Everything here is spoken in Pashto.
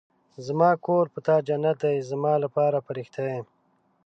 زما کور په تا جنت دی زما لپاره فرښته يې